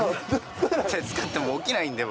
使っても起きないんで、僕。